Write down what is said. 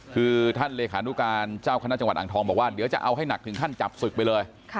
คือท่านเลขานุการเจ้าคณะจังหวัดอ่างทองบอกว่าเดี๋ยวจะเอาให้หนักถึงขั้นจับศึกไปเลย